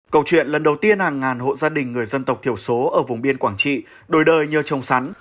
câu chuyện lần đầu tiên hàng ngàn hộ gia đình người dân tộc thiểu số ở vùng biên quảng trị đổi đời như trồng sắn